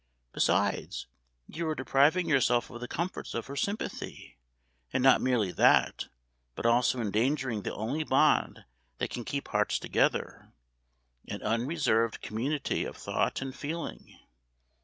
Besides, you are depriving yourself of the comforts of her sympathy; and not merely that, but also endangering the only bond that can keep hearts together an unreserved community of thought and feeling.